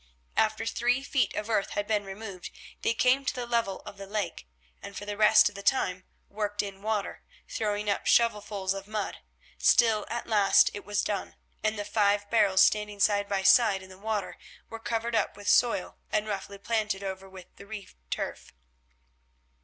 After three feet of earth had been removed, they came to the level of the lake, and for the rest of the time worked in water, throwing up shovelfuls of mud. Still at last it was done, and the five barrels standing side by side in the water were covered up with soil and roughly planted over with the reed turf.